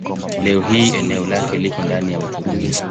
Leo hii eneo lake liko ndani ya Uturuki.